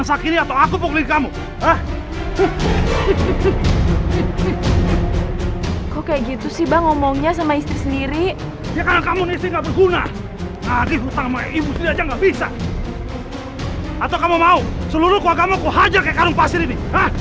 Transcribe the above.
atau kamu mau seluruh keluarga kamu kuhajar kayak karung pasir ini